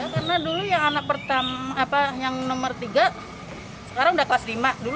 karena dulu yang anak pertama yang nomor tiga sekarang sudah kelas lima